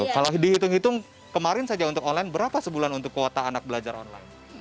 kalau dihitung hitung kemarin saja untuk online berapa sebulan untuk kuota anak belajar online